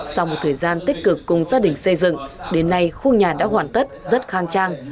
sau một thời gian tích cực cùng gia đình xây dựng đến nay khu nhà đã hoàn tất rất khang trang